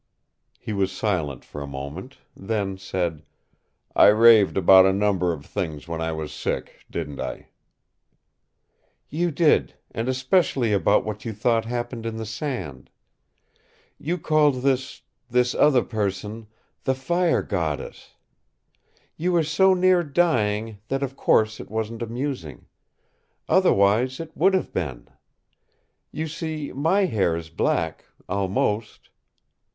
He was silent for a moment, then said, "I raved about a number of things when I was sick, didn't I?" "You did, and especially about what you thought happened in the sand. You called this this other person the Fire Goddess. You were so near dying that of course it wasn't amusing. Otherwise it would have been. You see MY hair is black, almost!"